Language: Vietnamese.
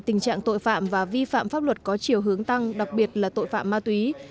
tình trạng tội phạm và vi phạm pháp luật có chiều hướng tăng đặc biệt là tội phạm ma túy